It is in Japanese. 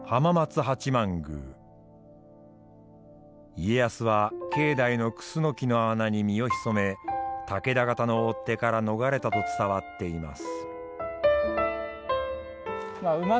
家康は境内のくすのきの穴に身を潜め武田方の追っ手から逃れたと伝わっています。